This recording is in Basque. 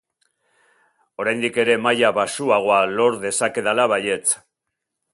Oraindik ere maila baxuagoa lor dezakedala baietz!